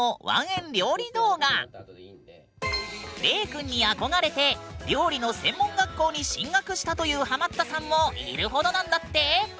ＲＥＩくんに憧れて料理の専門学校に進学したというハマったさんもいるほどなんだって！